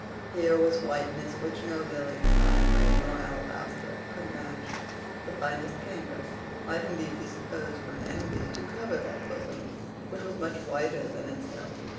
Here was whiteness which no lilies, ivory, nor alabaster could match. The finest cambric might indeed be supposed from envy to cover that bosom which was much whiter than itself.